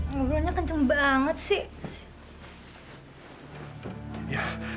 ngobrolnya kenceng banget sih